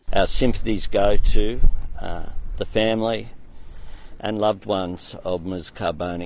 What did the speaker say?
kami berterima kasih kepada keluarga dan teman teman dari ms karboni